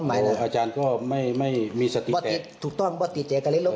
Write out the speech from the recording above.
อาจารย์ตอบไม่มีสติแบบ